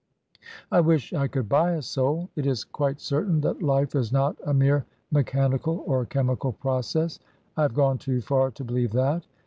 I wish I could buy a soul. It is quite certain that life is not a mere mechanical or chemical process. I have gone too far to believe that.